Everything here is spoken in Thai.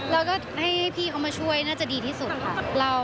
แล้วก็ให้พี่เขามาช่วยน่าจะดีที่สุดค่ะ